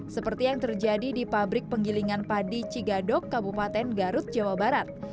seperti yang terjadi di pabrik penggilingan padi cigadok kabupaten garut jawa barat